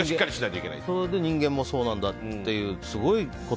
それで人間もそうなんだって